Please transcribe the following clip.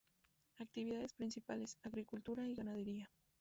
Actividades Principales: Agricultura y ganadería.